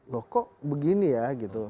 loh kok begini ya gitu